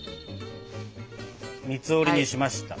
三つ折りにしました。